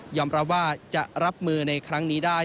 หยอมรับว่าจะรับมือนี่ได้